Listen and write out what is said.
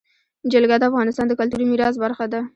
جلګه د افغانستان د کلتوري میراث برخه ده.